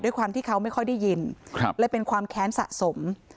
ด้วยความที่เขาไม่ค่อยได้ยินเลยเป็นความแค้นสะสม